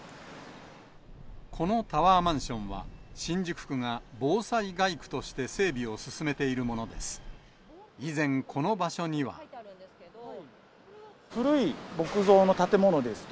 このタワーマンションは、新宿区が防災街区として整備を進めているものです。